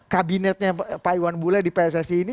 kabinetnya pak iwan bule di pssi ini